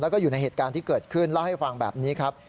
แล้วก็อยู่ในเหตุการณ์ที่เกิดขึ้นเล่าให้ฟังแบบนี้ครับ